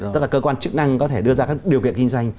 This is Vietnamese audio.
tức là cơ quan chức năng có thể đưa ra các điều kiện kinh doanh